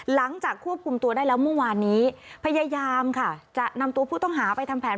หลังจากควบคุมตัวได้แล้วเมื่อวานนี้พยายามค่ะจะนำตัวผู้ต้องหาไปทำแผน